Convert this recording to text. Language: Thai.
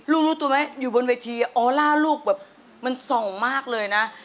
รู้รู้ตัวไหมอยู่บนเวทีออล่าลูกแบบมันส่องมากเลยนะ